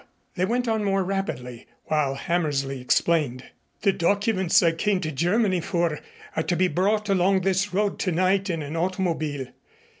They went on more rapidly, while Hammersley explained: "The documents I came to Germany for are to be brought along this road tonight in an automobile.